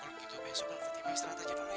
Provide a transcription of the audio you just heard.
kalau begitu besok sama fatimah istirahat aja dulu ya